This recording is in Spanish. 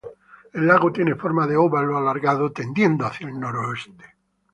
El lago tiene forma de óvalo alargado tendiendo hacia el noroeste.